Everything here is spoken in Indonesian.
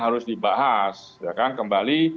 harus dibahas kembali